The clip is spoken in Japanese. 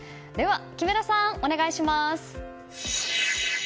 木村さん、お願いします。